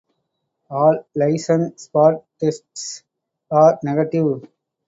All lichen spot tests are negative.